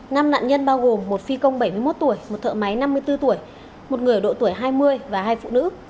năm nạn nhân bao gồm một phi công bảy mươi một tuổi một thợ máy năm mươi bốn tuổi một người ở độ tuổi hai mươi và hai phụ nữ